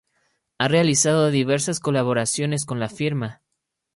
Ha realizado diversas colaboraciones con la firma.